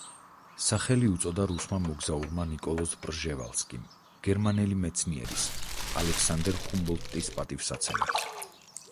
სახელი უწოდა რუსმა მოგზაურმა ნიკოლოზ პრჟევალსკიმ გერმანელი მეცნიერის ალექსანდერ ჰუმბოლდტის პატივსაცემად.